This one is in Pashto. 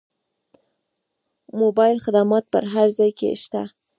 موبایل خدمات په هر ځای کې شته.